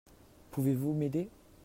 Pouvez-vous m'aider ?